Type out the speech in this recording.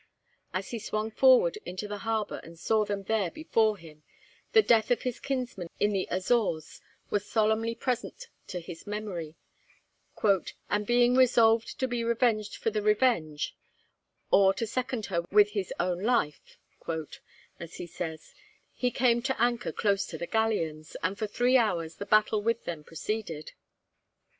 As he swung forward into the harbour and saw them there before him, the death of his kinsman in the Azores was solemnly present to his memory, 'and being resolved to be revenged for the "Revenge," or to second her with his own life,' as he says, he came to anchor close to the galleons, and for three hours the battle with them proceeded.